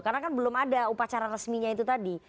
karena kan belum ada upacara resminya itu tadi